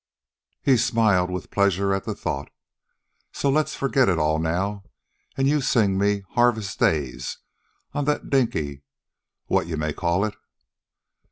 He smiled with pleasure at the thought. "Say, let's forget it all now, an' you sing me 'Harvest Days' on that dinky what you may call it."